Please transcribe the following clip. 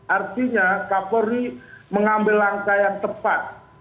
artinya kapolri mengambil langkah yang tepat